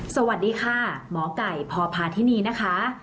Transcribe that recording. สวัสดีค่ะหมอไก่พพาธินีนะคะ